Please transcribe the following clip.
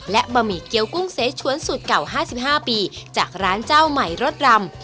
และบะหมี่เกี้ยวกุ้งเสชวนสูตรเก่า๕๕ปีจากร้านเจ้าใหม่รสรำ